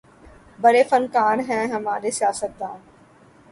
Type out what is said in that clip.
بڑے فنکار ہیں ہمارے سیاستدان